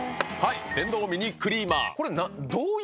電動ミニクリーマー。